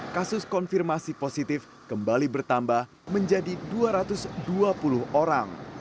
kasus konfirmasi positif kembali bertambah menjadi dua ratus dua puluh orang